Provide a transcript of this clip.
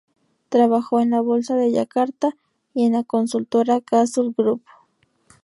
Trabajó en la Bolsa de Yakarta y en la consultora Castle Group.